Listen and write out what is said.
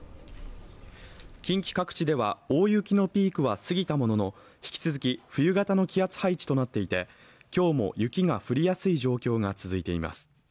近畿各地では大雪のピークは過ぎたものの引き続き冬型の気圧配置となっていて今日も雪が降りやすい状況が続いています。